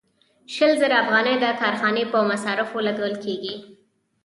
شل زره افغانۍ د کارخانې په مصارفو لګول کېږي